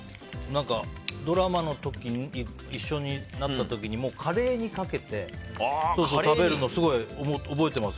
ドラマの時、一緒になった時にカレーにかけて食べるのを覚えています。